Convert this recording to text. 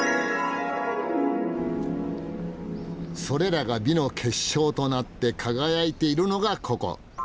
それらが美の結晶となって輝いているのがここ。